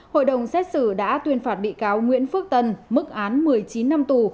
hội đồng xét xử đã tuyên phạt bị cáo nguyễn phước tân mức án một mươi chín năm tù